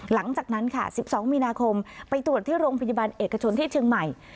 หลังจากนั้นค่ะ๑๒มีนาคมไปตรวจที่โรงพยาบาลเอกชนที่เชียงใหม่